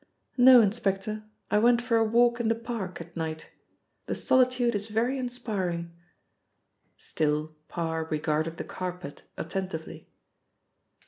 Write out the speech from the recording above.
No, inspector, I went for a walk in the park at night. The solitude is very inspiring." Still Parr regarded the carpet attentively.